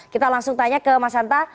kita langsung tanya ke mas hanta